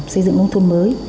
xây dựng nông thôn mới